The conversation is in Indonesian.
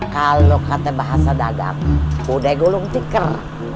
kalau kata bahasa dagang udah gulung tikar